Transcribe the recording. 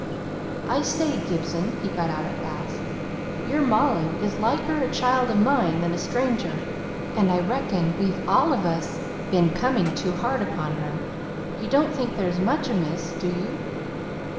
"I say, Gibson," he got out at last, "your Molly is liker a child of mine than a stranger; and I reckon we've all on us been coming too hard upon her. You don't think there's much amiss, do you?"